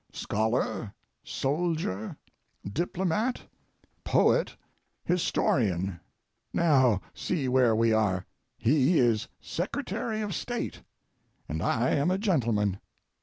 Scholar, soldier, diplomat, poet, historian—now, see where we are. He is Secretary of State and I am a gentleman.